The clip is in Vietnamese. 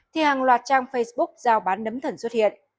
thì hàng loạt trang facebook giao bán nấm thần xuất hiện